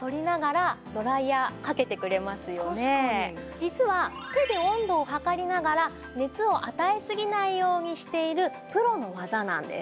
実は手で温度を測りながら熱を与えすぎないようにしているプロの技なんです。